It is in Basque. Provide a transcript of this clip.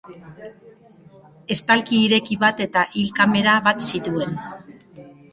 Estalki ireki bat eta hil kamera bat zituen.